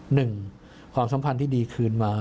หนึ่งความสัมพันธ์ที่ดีคืนมา